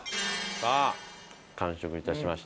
さあ完食致しました。